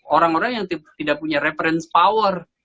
orang orang yang tidak punya reference power